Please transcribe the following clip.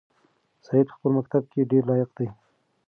سعید په خپل مکتب کې ډېر لایق دی.